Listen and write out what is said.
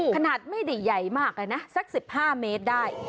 ขนาดไม่ได้ใหญ่มากเลยนะสัก๑๕เมตรได้